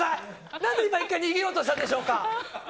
何で今１回逃げようとしたんでしょうか！